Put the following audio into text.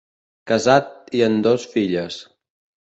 Casat i en dos filles.